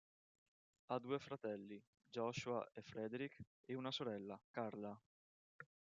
Ha due fratelli, Joshua e Frederick, e una sorella, Carla.